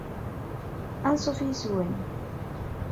Anṣuf yes-wen!